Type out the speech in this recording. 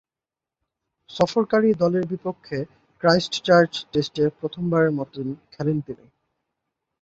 সফরকারী দলের বিপক্ষে ক্রাইস্টচার্চ টেস্টে প্রথমবারের মতো খেলেন তিনি।